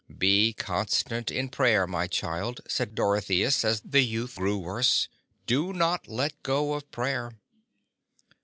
"Be constant in prayer, my child," said Dorotheus, as the youth grew worse; "do not let go of prayer."